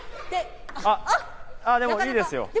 でもいいですよ。